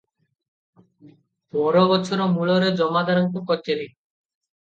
ବରଗଛର ମୂଳରେ ଜମାଦାରଙ୍କ କଚେରୀ ।